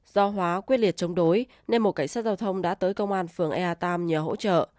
do hóa quyết liệt chống đối nên một cảnh sát giao thông đã tới công an phường ea tam nhờ hỗ trợ